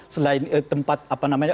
selain tempat apa namanya